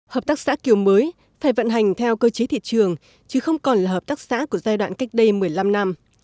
hợp tác xã kiểu mới phải vận hành theo cơ chế thị trường chứ không còn là hợp tác xã của giai đoạn cách đây một mươi năm năm